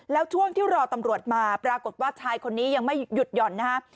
แล้วช่วงที่รอตำรวจมาปรากฏว่าชายคนนี้ยังไม่หยุดหย่อนนะฮะ